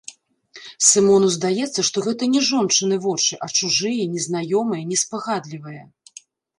Сымону здаецца, што гэта не жончыны вочы, а чужыя, незнаёмыя, неспагадлівыя.